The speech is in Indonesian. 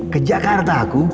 ke jakarta aku